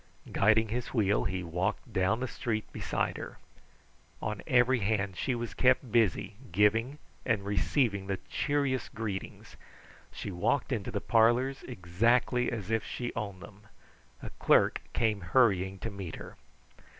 Guiding his wheel, he walked down the street beside her. On every hand she was kept busy giving and receiving the cheeriest greetings. She walked into the parlors exactly as if she owned them. A clerk came hurrying to meet her.